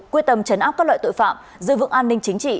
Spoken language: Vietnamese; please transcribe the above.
quy tâm trấn áp các loại tội phạm giữ vững an ninh chính trị